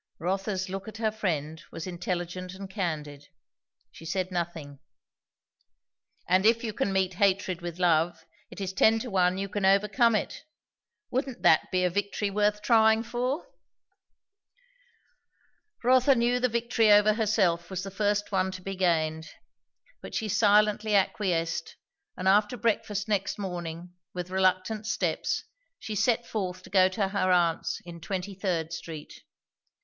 Rotha's look at her friend was intelligent and candid. She said nothing. "And if you can meet hatred with love, it is ten to one you can overcome it. Wouldn't that be a victory worth trying for?" Rotha knew the victory over herself was the first one to be gained. But she silently acquiesced; and after breakfast next morning, with reluctant steps, she set forth to go to her aunt's in Twenty third Street.